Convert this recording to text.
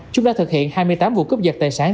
chúng đã thực hiện hai mươi tám vụ cướp giật tài sản